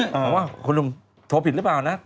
บอกว่าคุณลุงโทรผิดหรือเปล่านะ